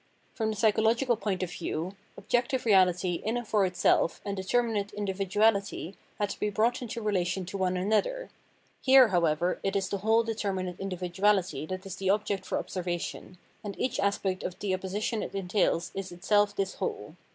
From the psychological point of view objective reahty in and for itself and determinate individuahty had to be brought into relation to one another ; here, however, it is the whole determinate individuahty that is the object for observation, and each aspect of the opposition it entails is itself this whole.